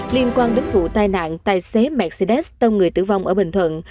liên quan đến vụ tai nạn tài xế mercedes tông người tử vong ở bình thuận